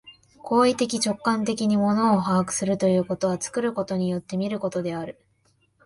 行為的直観的に物を把握するということは、作ることによって見ることである。